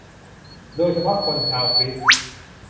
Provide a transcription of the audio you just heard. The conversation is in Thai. คนโดยเฉพาะชาวคริสต์